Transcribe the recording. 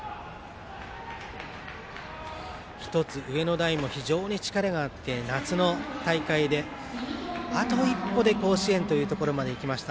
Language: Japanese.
１つ上の代も非常に力があって夏の大会であと一歩で甲子園というところまでいきました。